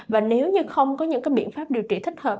và nếu như không có những biện pháp điều trị thích hợp